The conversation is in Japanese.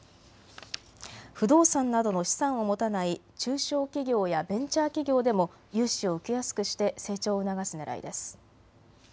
不動産などの資産を持たない中小企業やベンチャー企業でも融資を受けやすくして成長を促すねらいです。